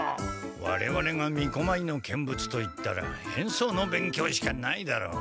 われわれがみこまいの見物といったらへんそうの勉強しかないだろう？